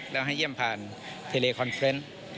แล้วให้เยี่ยมผ่านเทเลคอนเฟรนต์